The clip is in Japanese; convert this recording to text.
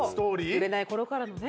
売れないころからのね。